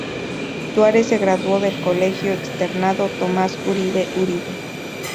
Suárez se graduó del colegio Externado Tomas Uribe Uribe.